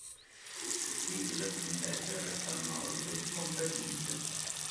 Phil, invece, resta a Nord con Bernice.